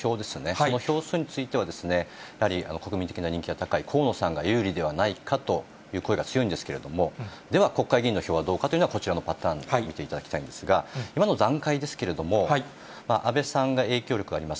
その票数については、やはり国民的な人気が高い河野さんが有利ではないかという声が強いんですけれども、では、国会議員の票はどうかというのは、こちらのパターン、見ていただきたいんですが、今の段階ですけれども、安倍さんが影響力あります